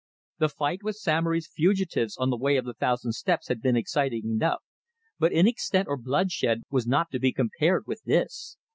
The fight with Samory's fugitives on the Way of the Thousand Steps had been exciting enough, but in extent or bloodshed was not to be compared with this.